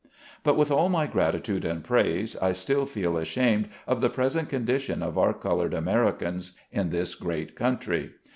But, with all my gratitude and praise, I still feel ashamed of the present condition of our colored Americans, in this great country.